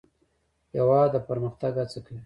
هېواد د پرمختګ هڅه کوي.